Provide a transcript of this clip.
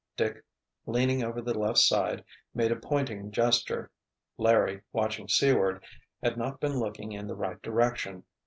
Dick, leaning over the left side, made a pointing gesture. Larry, watching seaward, had not been looking in the right direction.